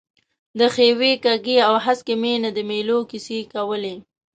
د ښیوې، کږې او هسکې مېنې د مېلو کیسې کولې.